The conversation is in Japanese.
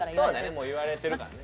もう言われてるからね。